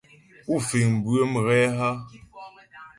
Pó fíŋ bʉə̌ mhě a?